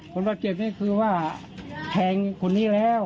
คนบาดเจ็บนี่คือว่าแทงคนนี้แล้ว